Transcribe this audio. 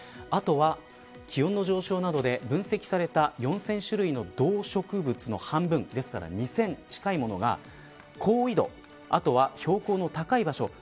あとは気温の上昇などで分析された４０００種類の動植物の半分が２０００近いものが高緯度、後は標高の高い場所